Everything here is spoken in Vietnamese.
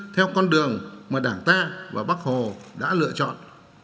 theo con đường mà đảng ta và bắc hồ đã lựa chọn